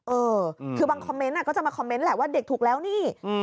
เออคือบางคอมเมนต์ก็จะมาคอมเมนต์แหละว่าเด็กถูกแล้วนี่